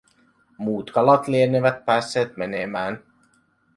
Muut kalat lienevät päässeet menemään.